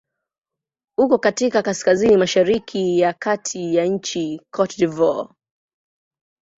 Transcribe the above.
Uko katika kaskazini-mashariki ya kati ya nchi Cote d'Ivoire.